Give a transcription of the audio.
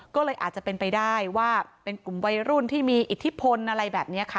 ก็เลยอาจจะเป็นไปได้ว่าเป็นกลุ่มวัยรุ่นที่มีอิทธิพลอะไรแบบนี้ค่ะ